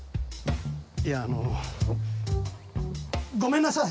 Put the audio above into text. いやあのごめんなさい！